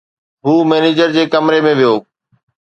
هو مئنيجر جي ڪمري ۾ ويو